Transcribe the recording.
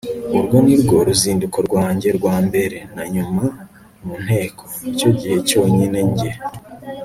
urwo nirwo ruzinduko rwanjye rwa mbere - na nyuma - mu nteko. nicyo gihe cyonyine njye